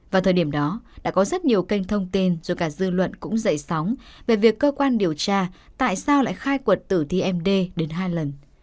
vào thời điểm đó đã có rất nhiều kênh thông tin rồi cả dư luận cũng dậy sóng về việc cơ quan điều tra tại sao lại khai quật tử tmd đến hai lần